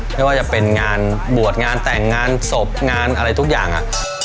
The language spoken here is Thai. ไม่ว่าจะเป็นงานบวชงานแต่งงานศพงานอะไรทุกอย่างอะ